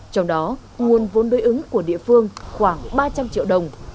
trong đó nguồn vốn đối ứng của địa phương khoảng ba trăm linh triệu đồng